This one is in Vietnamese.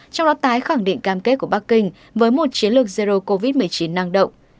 trong đó tái khẳng định cam kết của bắc kinh với một chiến lược zero covid một mươi chín năng động